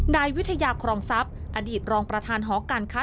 นายวิทยาครองทรัพย์อดีตรองประธานหอการค้า